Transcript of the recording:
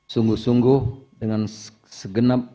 sungguh sungguh dengan segenap